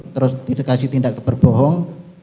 terus tidak kasih tindak berbohong